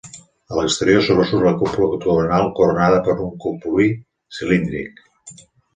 A l'exterior sobresurt la cúpula octogonal coronada per un cupulí cilíndric.